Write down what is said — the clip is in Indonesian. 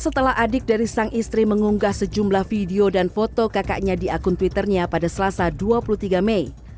setelah adik dari sang istri mengunggah sejumlah video dan foto kakaknya di akun twitternya pada selasa dua puluh tiga mei